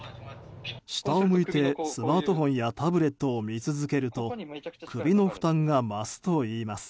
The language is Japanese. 下を向いてスマートフォンやタブレットを見続けると首の負担が増すといいます。